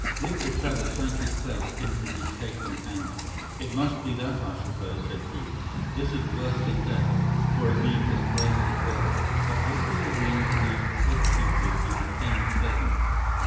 "Victor Trevor sank his face into his shaking hands. 'It must be that, I suppose,' said he. 'This is worse than death, for it means disgrace as well. But what is the meaning of these "head keepers" and "hen pheasants"?